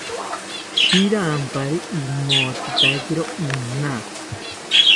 Shirampari imotzitakakiro ina